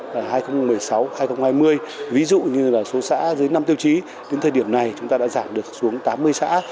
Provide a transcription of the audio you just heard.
giai đoạn hai nghìn một mươi sáu hai nghìn hai mươi ví dụ như là số xã dưới năm tiêu chí đến thời điểm này chúng ta đã giảm được xuống tám mươi xã